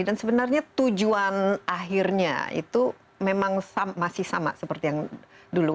dan sebenarnya tujuan akhirnya itu memang masih sama seperti yang dulu